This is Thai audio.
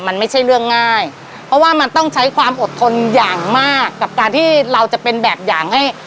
มันไม่ใช่เรื่องง่ายเพราะว่ามันต้องใช้ความอดทนอย่างมากกับการที่เราจะเป็นแบบอย่างให้